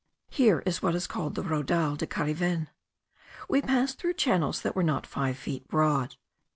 Here is what is called the Raudal de Cariven. We passed through channels that were not five feet broad.